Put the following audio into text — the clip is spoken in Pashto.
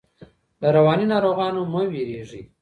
له رواني ناروغانو مه ویریږئ.